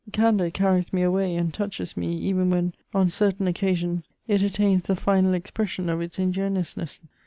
Candour carries me away and touches me, even when, on certain occasions, it attains the final expression of its ingenuousness.